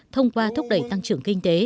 thông qua thúc đẩy tăng trưởng kinh tế